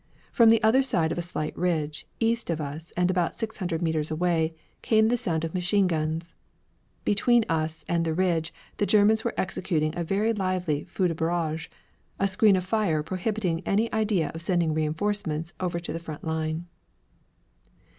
From the other side of a slight ridge, east of us and about six hundred metres away, came the sound of machine guns. Between us and the ridge the Germans were executing a very lively feu de barrage, a screen of fire prohibiting any idea of sending reinforcements over to the front line.